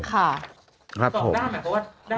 ๒ด้านหมายความว่า